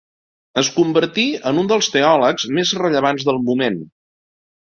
Es convertí en un dels teòlegs més rellevants del moment.